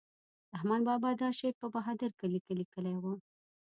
رحمان بابا دا شعر په بهادر کلي کې لیکلی و.